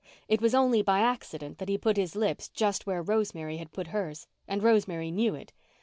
It was only by accident that he put his lips just where Rosemary had put hers, and Rosemary knew it.